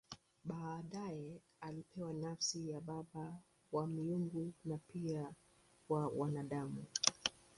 Baadaye alipewa nafasi ya baba wa miungu na pia wa wanadamu.